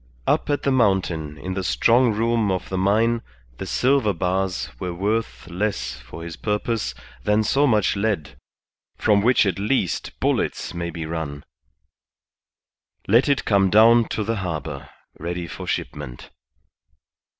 Up at the mountain in the strong room of the mine the silver bars were worth less for his purpose than so much lead, from which at least bullets may be run. Let it come down to the harbour, ready for shipment.